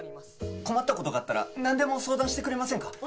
困ったことがあったらなんでも相談してくれませんか？